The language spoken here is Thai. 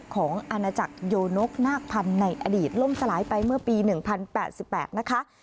อาณาจักรโยนกนาคพันธุ์ในอดีตล่มสลายไปเมื่อปี๑๐๘๘นะคะ